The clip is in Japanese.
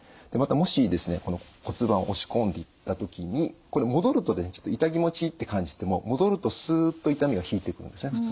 またもしこの骨盤を押し込んでいった時に戻るとちょっと痛気持ちいいって感じても戻るとすっと痛みが引いていくんですね